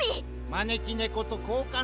まねきねことこうかんです。